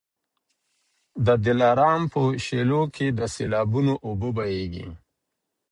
د دلارام په شېلو کي د سېلابونو اوبه بهیږي.